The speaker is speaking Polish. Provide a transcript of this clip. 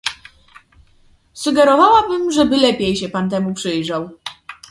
Sugerowałabym, żeby lepiej się pan temu przyjrzał